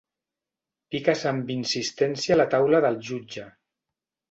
Piques amb insistència a la taula del jutge.